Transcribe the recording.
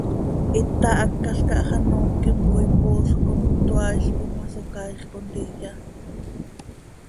Hita hácalca hax an ooquim coi poosj com cötoaailc oo ma, Socaaix contiya.